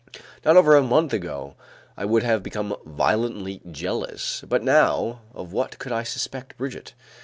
Not over a month ago, I would have become violently jealous; but now, of what could I suspect Brigitte?